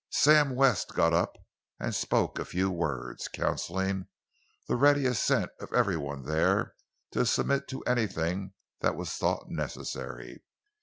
Sam West got up and spoke a few words, counselling the ready assent of every one there to submit to anything that was thought necessary.